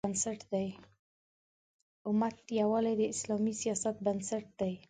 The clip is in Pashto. د امت یووالی د اسلامي سیاست بنسټ دی.